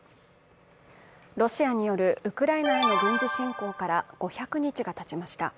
ロシアによるウクライナへの軍事侵攻から５００日がたちました。